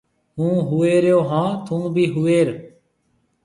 هُون هويرون هون۔ ٿُون بي هويريَ۔